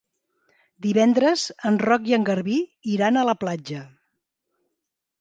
Divendres en Roc i en Garbí iran a la platja.